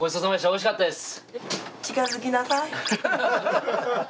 おいしかったです。